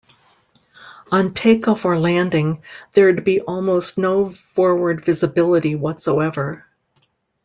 On takeoff or landing, there'd be almost no forward visibility whatsoever.